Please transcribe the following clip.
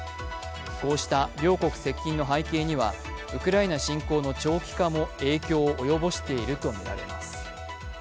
こうした両国接近の背景にはウクライナ侵攻の長期化も影響を及ぼしているとみられます。